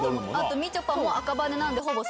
みちょぱも赤羽なんで。